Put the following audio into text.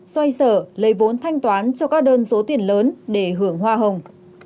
xoay sở lấy vốn thanh toán cho các đơn số tiền lớn để hưởng hoa hồng